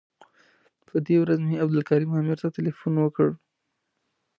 په دې ورځ مې عبدالکریم عامر ته تیلفون وکړ.